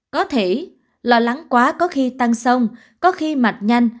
có thể lo lắng quá có khi tăng sông có khi mạch nhanh